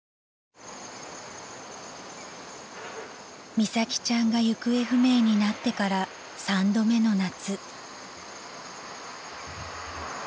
［美咲ちゃんが行方不明になってから３度目の夏］